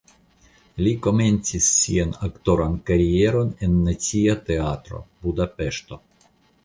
Li komencis sian aktoran karieron en Nacia Teatro (Budapeŝto).